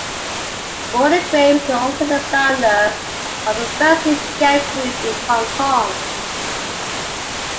Waldegrave is also the founder of the first Sea Scout Group in Hong Kong.